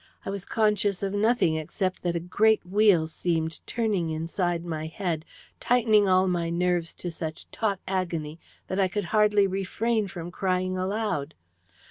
I was conscious of nothing except that a great wheel seemed turning inside my head, tightening all my nerves to such taut agony that I could hardly refrain from crying aloud.